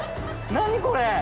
何これ！